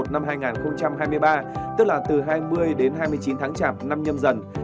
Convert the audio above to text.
năm hai nghìn hai mươi ba tức là từ hai mươi đến hai mươi chín tháng chạp năm nhâm dần